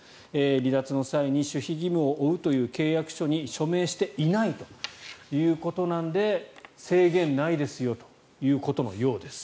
離脱の際に守秘義務を負うという契約書に署名していないということなんで制限ないですよということのようです。